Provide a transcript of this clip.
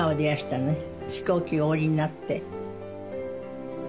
飛行機をお降りになって。